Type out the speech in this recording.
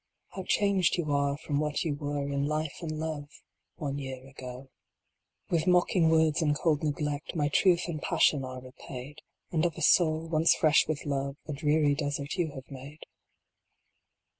How changed you are from what you were In life and love one year ago. With mocking words and cold neglect, My truth and passion are repaid, And of a soul, once fresh with love, A dreary desert you have made.